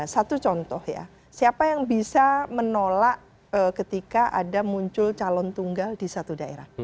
satu contoh ya siapa yang bisa menolak ketika ada muncul calon tunggal di satu daerah